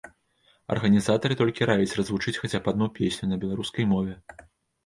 Арганізатары толькі раяць развучыць хаця б адну песню на беларускай мове.